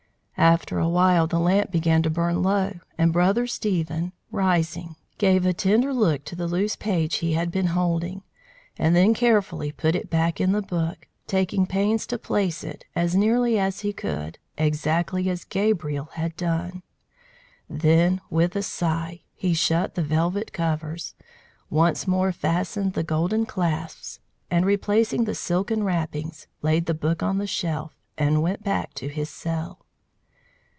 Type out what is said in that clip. After awhile the lamp began to burn low; and Brother Stephen rising, gave a tender look to the loose page he had been holding, and then carefully put it back in the book, taking pains to place it, as nearly as he could, exactly as Gabriel had done. Then, with a sigh, he shut the velvet covers, once more fastened the golden clasps, and, replacing the silken wrappings, laid the book on the shelf, and went back to his cell.